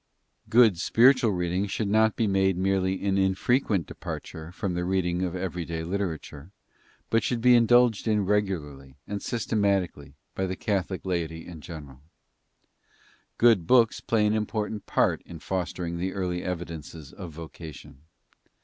Good spiritual reading should not be made merely an infrequent departure from the reading of every day literature, but should be indulged in regularly and systematically by the Catholic laity in general. Good books play an important part in fostering the early evidences of vocation.